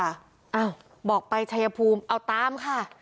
อ้าวบอกไปชัยภูมิเอาตามค่ะ